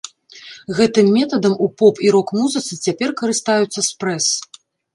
Гэтым метадам у поп- і рок-музыцы цяпер карыстаюцца спрэс.